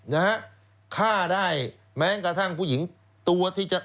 นะฮะฆ่าได้แม้กระทั่งผู้หญิงตัวที่จะ